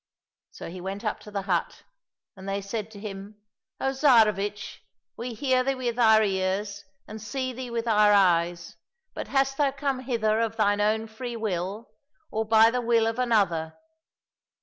— So he went up to the hut, and they said to him, " O Tsarevich, we hear thee with our ears and see thee with our eyes, but hast thou come hither of thine own free will or by the will of another